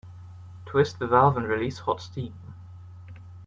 Twist the valve and release hot steam.